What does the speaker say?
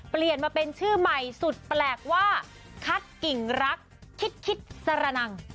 เปลี่ยนมาเป็นชื่อใหม่สุดแปลกว่าคัดกิ่งรักคิดสระนัง